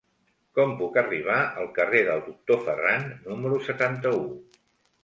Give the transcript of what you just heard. Com puc arribar al carrer del Doctor Ferran número setanta-u?